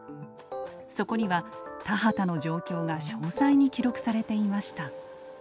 そこには田畑の状況が詳細に記録されていました。